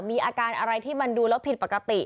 มีอาการอะไรที่มันดูแล้วผิดปกติ